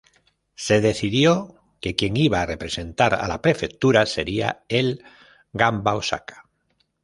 Se decidió que quien iba a representar a la prefectura sería el Gamba Osaka.